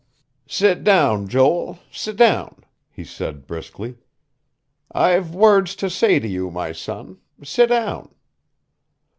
"Sit down, Joel. Sit down," he said briskly. "I've words to say to you, my son. Sit down."